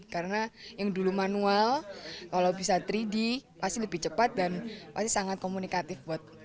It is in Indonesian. karena yang dulu manual kalau bisa tiga d pasti lebih cepat dan pasti sangat komunikatif